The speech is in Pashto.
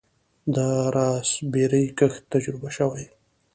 د راسبیري کښت تجربه شوی؟